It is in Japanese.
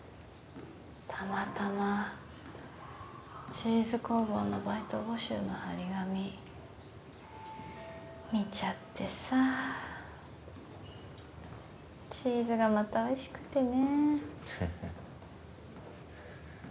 たまたまチーズ工房のバイト募集の貼り紙見ちゃってさチーズがまたおいしくてねフフ